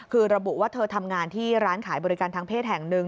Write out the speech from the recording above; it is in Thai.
คือระบุว่าเธอทำงานที่ร้านขายบริการทางเพศแห่งหนึ่ง